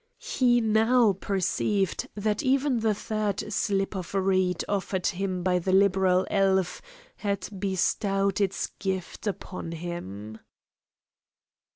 He now perceived that even the third slip of reed offered him by the liberal elf had bestowed its gift upon him.